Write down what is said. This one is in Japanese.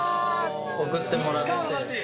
送ってもらって。